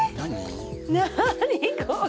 何これ？